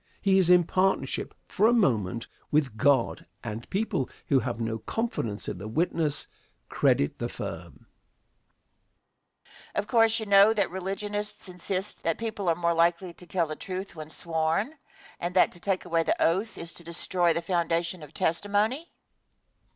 He is in partnership, for a moment, with God, and people who have no confidence in the witness credit the firm. Question. Of course you know the religionists insist that people are more likely to tell the truth when "sworn," and that to take away the oath is to destroy the foundation of testimony?